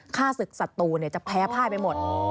ฆ่าศึกศัตรูจะแพ้พ่ายไปหมด